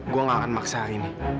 gue gak akan maksa ini